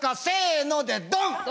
せのでどん。